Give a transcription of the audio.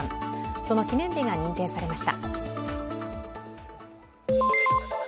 その記念日が認定されました。